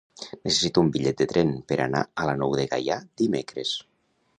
Necessito un bitllet de tren per anar a la Nou de Gaià dimecres.